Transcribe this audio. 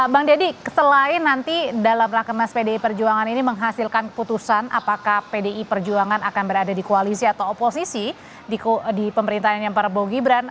bang deddy selain nanti dalam rakenas pdi perjuangan ini menghasilkan keputusan apakah pdi perjuangan akan berada di koalisi atau oposisi di pemerintahannya prabowo gibran